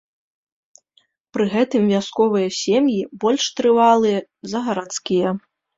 Пры гэтым вясковыя сем'і больш трывалыя за гарадскія.